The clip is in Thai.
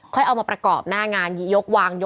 ค่อยเอามาประกอบหน้างานยกวาง